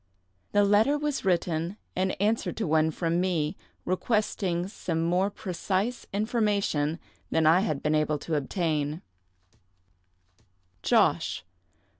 The letter was written in answer to one from me, requesting some more precise information than I had been able to obtain:— "Josh.